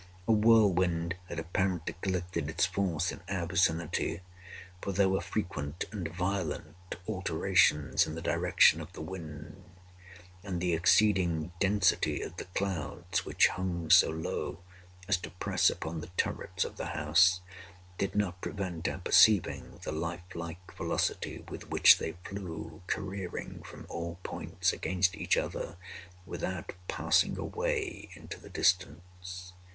A whirlwind had apparently collected its force in our vicinity; for there were frequent and violent alterations in the direction of the wind; and the exceeding density of the clouds (which hung so low as to press upon the turrets of the house) did not prevent our perceiving the life like velocity with which they flew careering from all points against each other, without passing away into the distance.